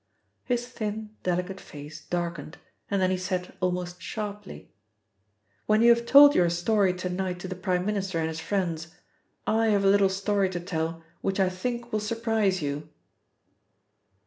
His thin, delicate face darkened, and then he said almost sharply: "When you have told your story to night to the Prime Minister and his friends, I have a little story to tell which I think will surprise you."